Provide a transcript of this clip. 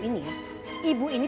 bisa jalan kesana ya